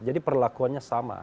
jadi perlakuannya sama